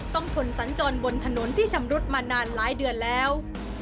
ทนสัญจรบนถนนที่ชำรุดมานานหลายเดือนแล้ว